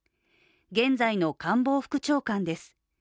現在の官房副長官です。